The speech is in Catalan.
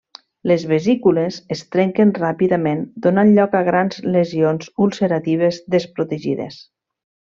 Les vesícules es trenquen ràpidament donant lloc a grans lesions ulceratives desprotegides.